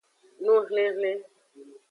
Nuhlinhlin.